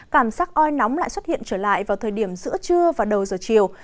cảm giác oi nóng lại xuất hiện trở lại vào thời điểm giữa trưa và đầu giờ chiều